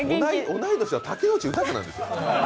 同い年は竹野内豊なんですよ。